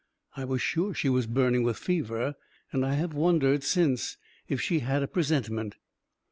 I was sure she was burning with fever; and I have wondered since if she had a presentiment